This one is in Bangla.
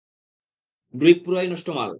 ড্রুইগ পুরাই নষ্ট মাল।